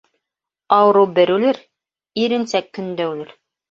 Ауырыу бер үлер, иренсәк көндә үлер.